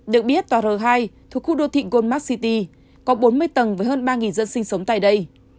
được biết tòa r hai thuộc khu đô thị goldmart city có bốn mươi tầng với hơn ba dân sinh sống tại đây